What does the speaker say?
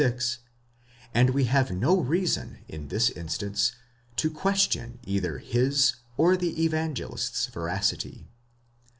36), and we have no reason in this instance to question either his or the Evangelist's veracity.